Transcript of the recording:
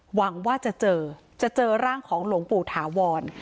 หวังว่าจะเจอจะเจอร่างของหลวงปู่ถาวร